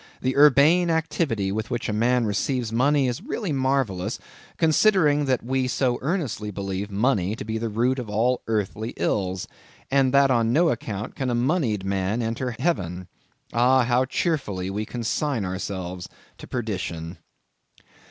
The urbane activity with which a man receives money is really marvellous, considering that we so earnestly believe money to be the root of all earthly ills, and that on no account can a monied man enter heaven. Ah! how cheerfully we consign ourselves to perdition!